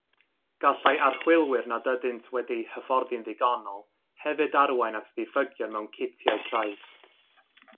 Gallai archwilwyr nad ydynt wedi'u hyfforddi'n ddigonol hefyd arwain at ddiffygion mewn citiau trais.